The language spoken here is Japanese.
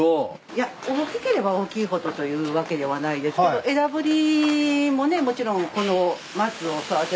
いや大きければ大きいほどというわけではないですけど枝ぶりもねもちろん。